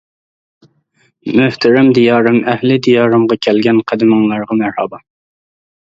مۆھتەرەم دىيارىم ئەھلى دىيارىمغا كەلگەن قەدىمىڭلارغا مەرھابا.